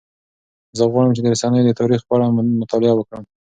زه غواړم چې د رسنیو د تاریخ په اړه مطالعه وکړم.